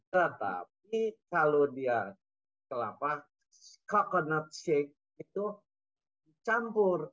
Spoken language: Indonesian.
tetapi kalau dia kelapa coconut shake itu campur